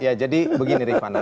ya jadi begini rifanda